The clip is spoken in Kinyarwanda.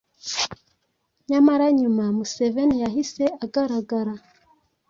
nyamara nyuma Museveni yahise agaragara